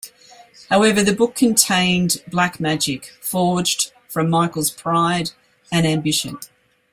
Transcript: However, the book contained black magic forged from Michael's pride and ambition.